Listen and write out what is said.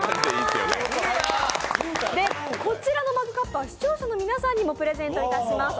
こちらのマグカップは視聴者の皆さんにもプレゼントします。